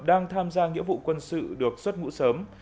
đang tham gia nghĩa vụ quân sự được xuất ngũ sớm